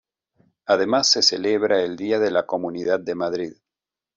Además se celebra el Día de la Comunidad de Madrid.